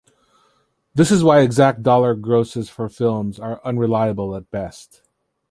This is why exact dollar grosses for films are unreliable at best.